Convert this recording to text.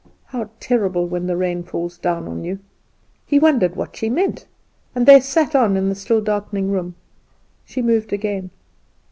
"How terrible when the rain falls down on you." He wondered what she meant, and they sat on in the still darkening room. She moved again.